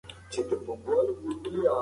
شعر د آهنګینې ژبې له لارې احساس انتقالوي.